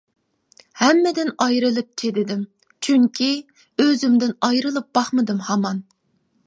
ھەممىدىن ئايرىلىپ چىدىدىم، چۈنكى، ئۆزۈمدىن ئايرىلىپ باقمىدىم ھامان.